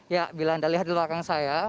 ya bila anda lihat di belakang saya